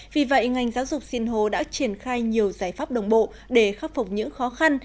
vì vậy ngành giáo dục sinh hồ đã triển khai nhiều giải pháp đồng bộ để khắc phục những khó khăn